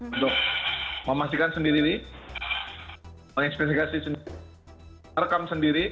untuk memastikan sendiri menginvestigasi sendiri merekam sendiri